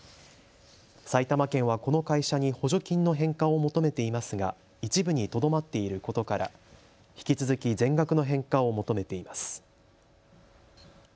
埼玉県はこの会社に補助金の返還を求めていますが一部にとどまっていることから引き続き全額の返還を求めています。